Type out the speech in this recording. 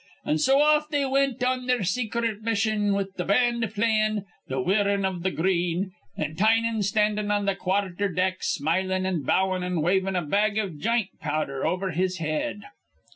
An' so off they wint on their secret mission, with th' band playin' 'Th' Wearin' iv th' Green,' an Tynan standin' on th' quarther deck, smilin' an' bowin' an' wavin' a bag iv jint powdher over his head.